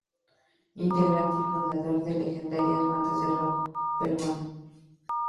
Integrante y fundador de legendarias bandas de rock peruano.